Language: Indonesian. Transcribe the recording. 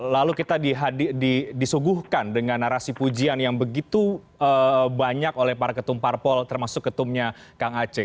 lalu kita disuguhkan dengan narasi pujian yang begitu banyak oleh para ketum parpol termasuk ketumnya kang aceh